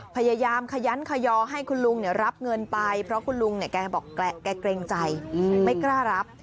พยายามขยันขยอให้คุณลุงรับเงินไปเพราะคุณลุงเนี่ยแกบอกแกเกรงใจไม่กล้ารับ